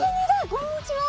こんにちは。